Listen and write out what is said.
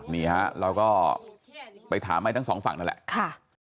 นี่ฮะเราก็ไปถามให้ทั้งสองฝั่งนั่นแหละค่ะ